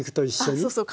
あそうそう。